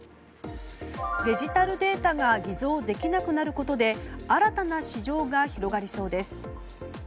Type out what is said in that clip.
デジタルデータが偽造できなくなることで新たな市場が広がりそうです。